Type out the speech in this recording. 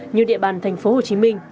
như địa bàn tp hcm